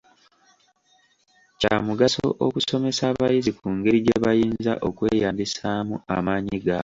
Kyamugaso okusomesa abayizi ku ngeri gye bayinza okweyambisaamu amaanyi gaabwe.